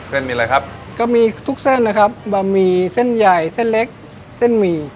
เส้นมีอะไรครับก็มีทุกเส้นนะครับบะหมี่เส้นใหญ่เส้นเล็กเส้นหมี่